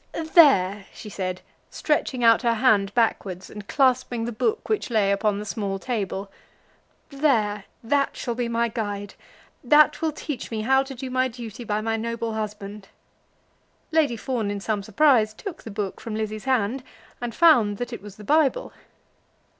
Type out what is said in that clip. "There," she said, stretching out her hand backwards and clasping the book which lay upon the small table, "there; that shall be my guide. That will teach me how to do my duty by my noble husband." Lady Fawn in some surprise took the book from Lizzie's hand, and found that it was the Bible.